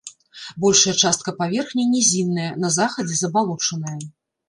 Большая частка паверхні нізінная, на захадзе забалочаная.